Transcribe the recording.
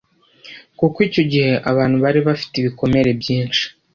kuko icyo gihe abantu bari bafite ibikomere byinshi